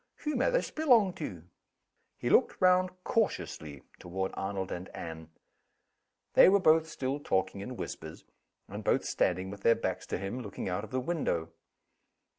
Who may this belong to?" He looked round cautiously toward Arnold and Anne. They were both still talking in whispers, and both standing with their backs to him, looking out of the window.